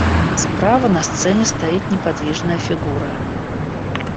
Справа на сцене стоит неподвижная фигура.